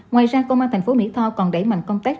ngoài ra công an thành phố mỹ tho còn đẩy mạnh công tác